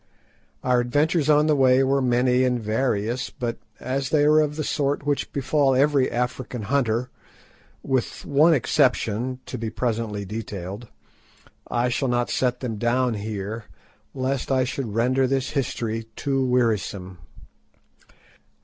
Our adventures on the way were many and various, but as they are of the sort which befall every African hunter—with one exception to be presently detailed—I shall not set them down here, lest I should render this history too wearisome.